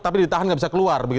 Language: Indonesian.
tapi ditahan nggak bisa keluar